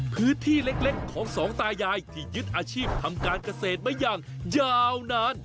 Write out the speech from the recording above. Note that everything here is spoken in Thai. พื้นที่เล็กของสองตายายที่ยึดอาชีพทำการเกษตรมาอย่างยาวนาน